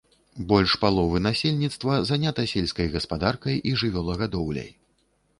Больш паловы насельніцтва занята сельскай гаспадаркай і жывёлагадоўляй.